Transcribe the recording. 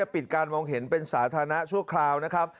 ปิดการมองเห็นเป็นสาธารณะชั่วคราวนะครับ